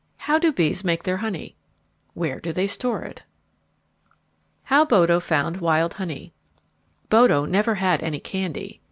How do bees make their honey? Where do they store it? How Bodo Found Wild Honey Bodo never had any candy.